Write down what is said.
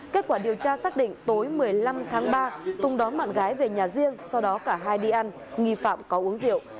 kết quả điều tra xác định tối một mươi năm tháng ba tùng đón bạn gái về nhà riêng sau đó cả hai đi ăn nghi phạm có uống rượu